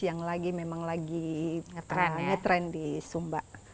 yang lagi memang lagi ngetrend di sumba